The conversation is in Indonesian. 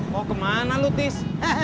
mau kemana lu tis